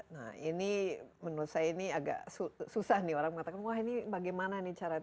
nah ini menurut saya ini agak susah nih orang mengatakan wah ini bagaimana nih caranya